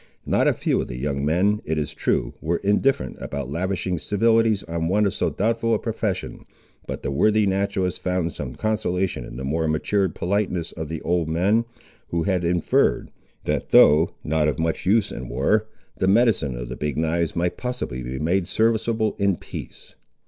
Not a few of the young men, it is true, were indifferent about lavishing civilities on one of so doubtful a profession, but the worthy naturalist found some consolation in the more matured politeness of the old men, who had inferred, that though not of much use in war, the medicine of the Big knives might possibly be made serviceable in peace.